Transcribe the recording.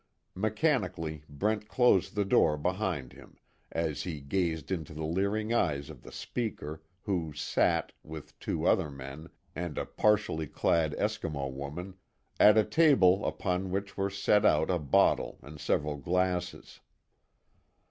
Mechanically Brent closed the door behind him, as he glanced into the leering eyes of the speaker, who sat, with two other men, and a partially clad Eskimo woman, at a table upon which were set out a bottle and several glasses.